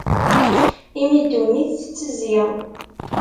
Imi ddunit tettezzi.